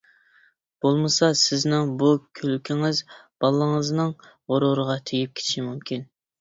بولمىسا، سىزنىڭ بۇ كۈلكىڭىز بالىڭىزنىڭ غۇرۇرىغا تېگىپ كېتىشى مۇمكىن.